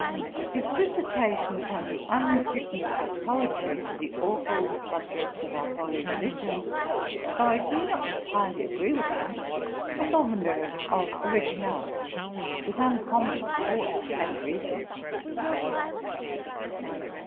His dissertation upon the unfitness of poetry for the aweful subjects of our holy religion, though I do not entirely agree with with him, has all the merit of originality, with uncommon force and reasoning.